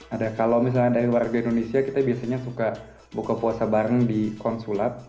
ada kalau misalnya dari warga indonesia kita biasanya suka buka puasa bareng di konsulat